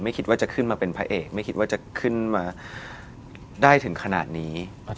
คิดว่าจะขึ้นมาเป็นพระเอกไม่คิดว่าจะขึ้นมาได้ถึงขนาดนี้